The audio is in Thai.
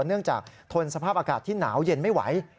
เนื่องจากทนสภาพอากาศที่หนาวเย็นไม่ไหว